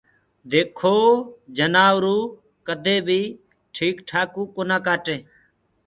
ديکو جنآوروُ ڪدي بيٚ ٺيڪ ٺآڪوُ ڪونآ ڪآٽي